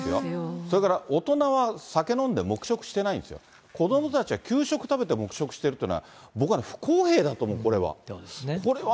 それから大人は酒飲んで黙食してないんですよ、子どもたちは給食食べて黙食してるっていうのは、僕は不公平だと思う、これは。